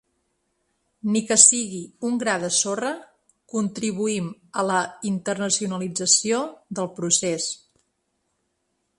Ni que sigui un gra de sorra, contribuïm a la internacionalització del procés.